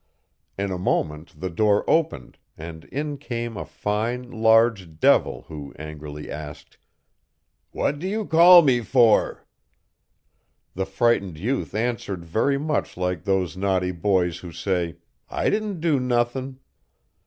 In a moment the door opened, and in came a fine large devil who angrily asked, "What do you call me for?" The frightened youth answered very much like those naughty boys who say "I didn't do nothing!"